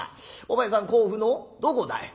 お前さん甲府のどこだい？」。